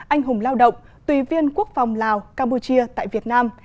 anh hùng lao động tùy viên quốc phòng lào campuchia tại việt nam